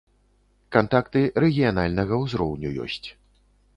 Кантакты рэгіянальнага узроўню ёсць.